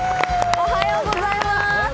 おはようございます。